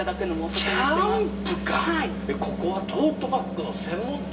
ここはトートバッグの専門店？